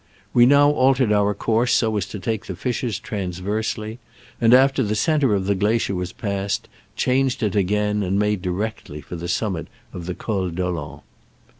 We now altered our course, so as to take the fissures transversely, and after the centre of the glacier was passed, changed it again and made di rectly for the summit of the Col d'Olen.